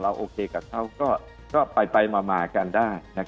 เราโอเคกับเขาก็ไปมากันได้นะครับ